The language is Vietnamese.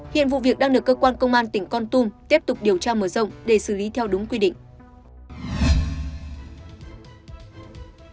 hiện vụ việc đang được cơ quan công an tỉnh con tum tiếp tục điều tra mở rộng để xử lý theo đúng quy định